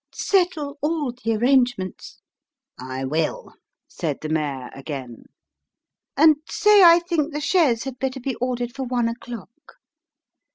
" Settle all the arrangements." " I will," said the mayor again. " And say I think the chaise had better be ordered for one o'clock."